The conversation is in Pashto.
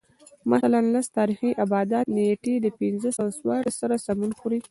مثلاً لس تاریخي آبدات نېټې د پنځه سوه څوارلس سره سمون خوري